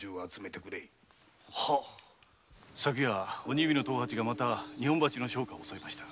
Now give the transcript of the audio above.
昨夜鬼火の藤八がまた日本橋の商家を襲いました。